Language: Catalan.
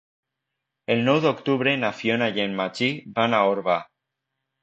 El nou d'octubre na Fiona i en Magí van a Orba.